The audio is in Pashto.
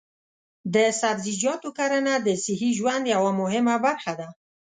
د سبزیجاتو کرنه د صحي ژوند یوه مهمه برخه ده.